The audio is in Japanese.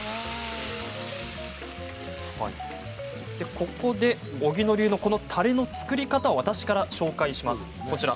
ここで荻野流のたれの作り方を私からご紹介します。